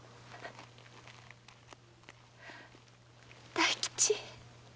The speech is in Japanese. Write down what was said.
大吉。